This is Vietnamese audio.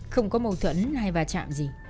không có mâu thuẫn hay bà chạm gì